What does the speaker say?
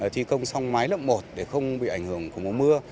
thi công song máy lập một để không bị ảnh hưởng của mùa mưa